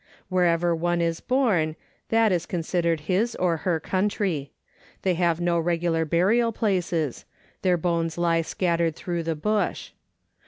Wher ever one is born, that is considered his or her country. They have no regular burial places ; their bones lie scattered through the bush.